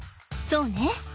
そうね。